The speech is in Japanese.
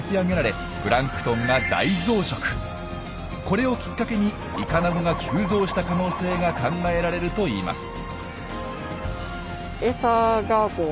これをきっかけにイカナゴが急増した可能性が考えられるといいます。